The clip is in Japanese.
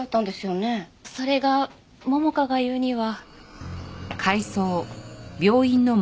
それが桃香が言うには。